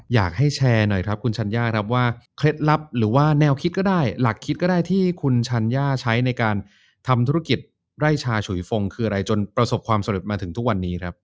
อยากให้แชร์หน่อยครับคุณชัญญาครับว่าเคล็ดลับหรือว่าแนวคิดก็ได้หลักคิดก็ได้ที่คุณชัญญาใช้ในการทำธุรกิจไร่ชาฉุยฟงคืออะไรจนประสบความสำเร็จมาถึงทุกวันนี้ครับ